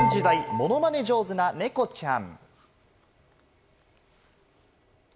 ものまね上手な猫ちゃん。